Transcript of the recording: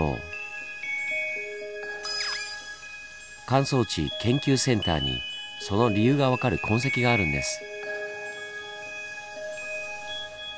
乾燥地研究センターにその理由が分かる痕跡があるんです。